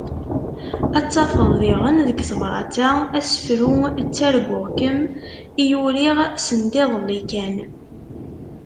Ad tafeḍ diɣen deg tebrat-a asefru « Ttarguɣ-kem » i uriɣ sendiḍelli kan.